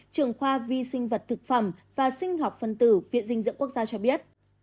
trường khoa vi sinh vật thực phẩm và sinh học phân tử viện dinh dưỡng quốc gia cho biết